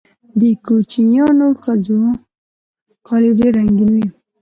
د کوچیانیو ښځو کالي ډیر رنګین وي.